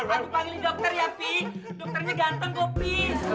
aku panggilin dokter ya pi dokternya ganteng kok pi